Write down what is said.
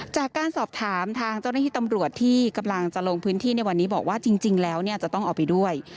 จากการสอบถามทางเจ้าหน้าที่ตำรวจที่กำลังจะลงพื้นที่ในวันนี้บอกว่าจริงแล้วเนี่ยจะต้องเอาไปด้วย